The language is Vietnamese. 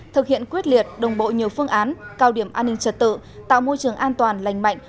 thực hiện quyết liệt đồng bộ nhiều phương án cao điểm an ninh trật tự tạo môi trường an toàn lành mạnh